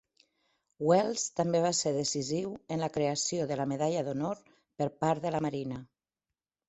Welles també va ser decisiu en la creació de la Medalla d'Honor per part de la Marina.